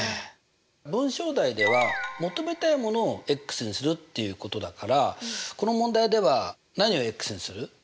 文章題では求めたいものをにするっていうことだからこの問題では何をにする？